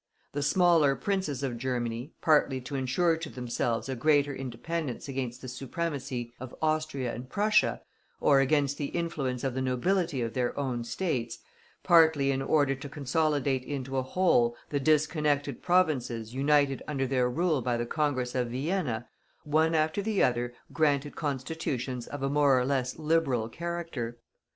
The smaller princes of Germany, partly to insure to themselves a greater independence against the supremacy of Austria and Prussia, or against the influence of the nobility of their own States, partly in order to consolidate into a whole the disconnected provinces united under their rule by the Congress of Vienna, one after the other granted constitutions of a more or less liberal character.